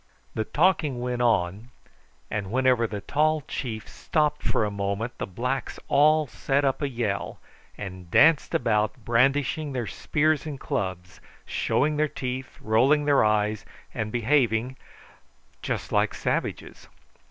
The talking went on, and whenever the tall chief stopped for a moment the blacks all set up a yell, and danced about brandishing their spears and clubs, showing their teeth, rolling their eyes, and behaving just like savages.